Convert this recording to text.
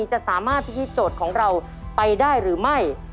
จะสามารถพิธีโจทย์ของเราไปได้หรือไม่